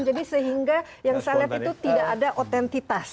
jadi sehingga yang saya lihat itu tidak ada otentitas